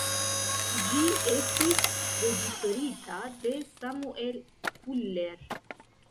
Ĝi estis reĝisorita de Samuel Fuller.